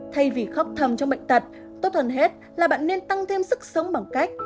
thay vì khóc thầm cho bệnh tật tốt hơn hết là bạn nên tăng thêm sức sống bằng cách